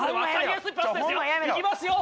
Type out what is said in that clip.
いきますよ。